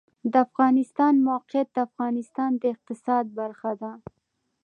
د افغانستان د موقعیت د افغانستان د اقتصاد برخه ده.